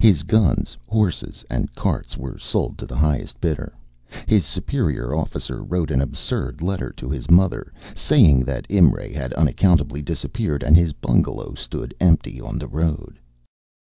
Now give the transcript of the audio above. His guns, horses, and carts were sold to the highest bidder. His superior officer wrote an absurd letter to his mother, saying that Imray had unaccountably disappeared and his bungalow stood empty on the road.